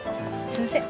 すいません。